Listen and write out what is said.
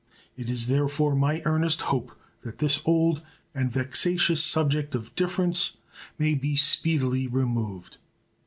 It is, therefore, my earnest hope that this old and vexatious subject of difference may be speedily removed.